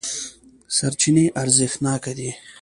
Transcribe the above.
سرچینې ارزښتناکې دي.